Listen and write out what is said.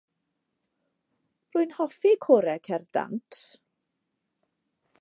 Rwy'n hoffi corau cerdd dant.